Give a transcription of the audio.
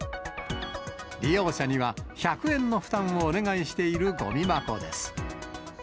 利用者には１００円の負担をお願いしているごみ箱です。